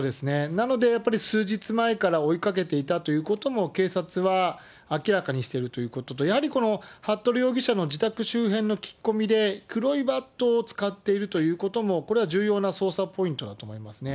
なのでやっぱり、数日前から追いかけていたということも、警察は明らかにしてるということと、やはりこの服部容疑者の自宅周辺の聞き込みで、黒いバットを使っているということも、これは重要な捜査ポイントだと思いますね。